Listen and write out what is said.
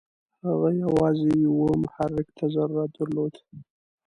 هغه یوازې یوه محرک ته ضرورت درلود.